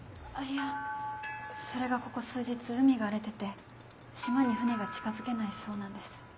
いやそれがここ数日海が荒れてて島に船が近づけないそうなんです。